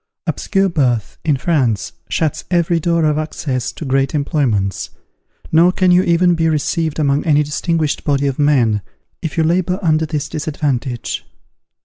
_ Obscure birth, in France, shuts every door of access to great employments; nor can you even be received among any distinguished body of men, if you labour under this disadvantage.